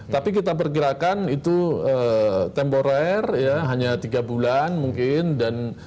tapi kita perkirakan itu temporer hanya tiga bulan mungkin dan